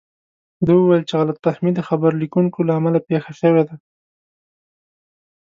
ده وویل چې غلط فهمي د خبر لیکونکو له امله پېښه شوې ده.